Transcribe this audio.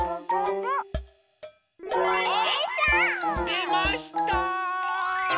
でました！